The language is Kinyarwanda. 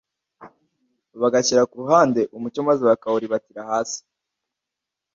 bagashyira ku ruhande umucyo maze bakawuribatira hasi